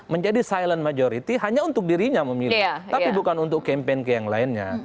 menjadi silent majority hanya untuk dirinya memilih tapi bukan untuk campaign ke yang lainnya